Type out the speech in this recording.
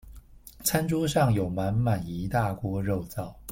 餐桌上有滿滿一大鍋肉燥